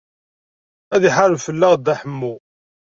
Ad iḥareb fell-aɣ Dda Ḥemmu.